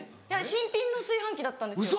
・新品の炊飯器だったんですよ。